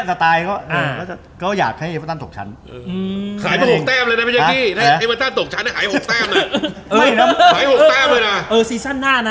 หายก่อนที่ได้สนใยจะชนะนะ